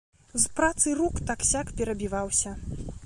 З працы рук так-сяк перабіваўся.